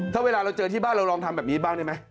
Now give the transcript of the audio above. ถ้าเวลาเราเจอที่บ้านเราลองทำแบบนี้บ้างได้ไหม